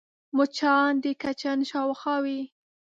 مچان د کچن شاوخوا وي